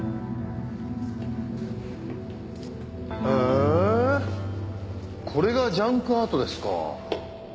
へえこれがジャンクアートですか。